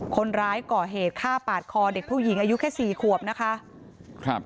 คนร้ายก่อเหตุฆ่าปาดคอเด็กผู้หญิงอายุแค่สี่ขวบนะคะครับ